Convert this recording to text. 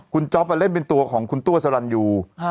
คุณจ๊อปเล่นเป็นตัวของคุณตัวสรรยู